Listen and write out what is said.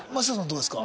どうですか？